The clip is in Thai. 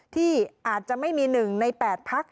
ที่อาจจะไม่มี๑ใน๘พัก